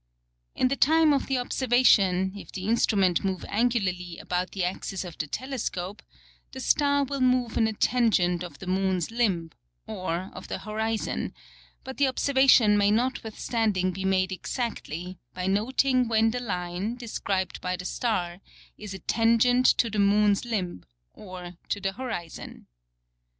In the Time of the Observation, if the Instrument move angularly about the Axis of the Telescope, the Star will move in a Tangent of the Moon's Limb, or of the Horizon; but the Observation may notwithstanding be made exactly, by noting when the Line, described by the Star, is a Tangent to the Moon's Limb, or to the Horizon.